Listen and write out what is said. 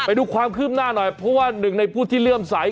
ไปดูความคืบหน้าหน่อยเพราะว่าหนึ่งในผู้ที่เลื่อมใส